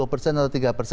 laporkan ke bank indonesia